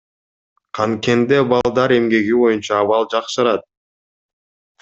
Канткенде балдар эмгеги боюнча абал жакшырат?